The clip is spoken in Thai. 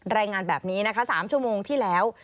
รายงานแบบนี้นะคะ๓ชั่วโมงที่แล้ว